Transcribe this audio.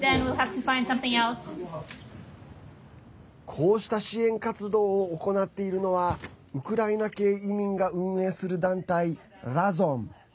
こうした支援活動を行っているのはウクライナ系移民が運営する団体ＲＡＺＯＭ。